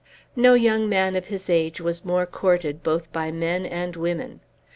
No young man of his age was more courted both by men and women.